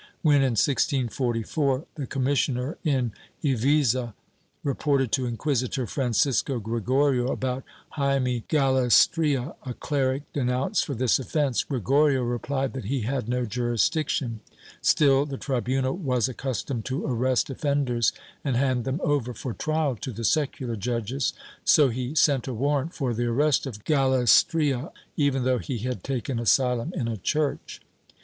When, in 1644, the commissioner in Iviza reported to Inc|uisitor Francisco Gregorio about Jaime Galles tria, a cleric denounced for this offence, Gregorio replied that he had no jurisdiction; still the tribunal was accustomed to arrest offenders and hand them over for trial to the secular judges, so he sent a warrant for the arrest of GaUestria, even though he had taken asylum in a church.